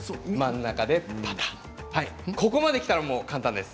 ここまできたら簡単です。